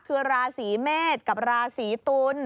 คือราศีเมษกับราศีตุล